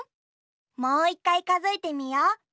もう１かいかぞえてみよう。